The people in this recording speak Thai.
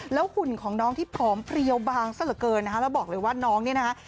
แล้วหุ่นของน้องที่ผอมเพรียวบางซะละเกินนะฮะเราบอกเลยว่าน้องนี่นะฮะ